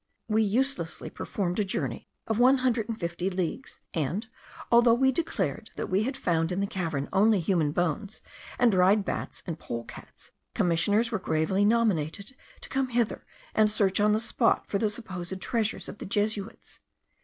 We uselessly performed a journey of one hundred and fifty leagues; and, although we declared that we had found in the cavern only human bones, and dried bats and polecats, commissioners were gravely nominated to come hither and search on the spot for the supposed treasures of the Jesuits.